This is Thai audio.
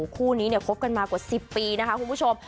คู่นี้เนี่ยคบกันมากว่า๑๐ปีนะคะคุณผู้ชม